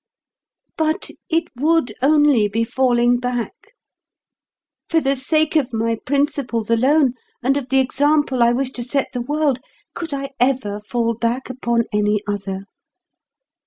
But it would only be falling back. For the sake of my principles alone, and of the example I wish to set the world, could I ever fall back upon any other.